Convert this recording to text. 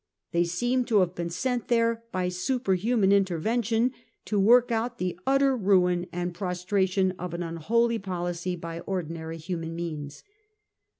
They seem to have been sent there, by superhuman intervention, to work out the utter ruin and prostration of an unholy policy by or dinary human means.